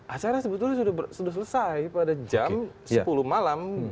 acara sebetulnya sudah selesai pada jam sepuluh malam